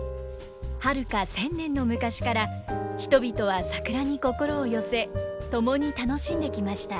はるか１，０００年の昔から人々は桜に心を寄せ共に楽しんできました。